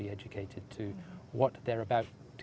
untuk membuat semua orang diperbukti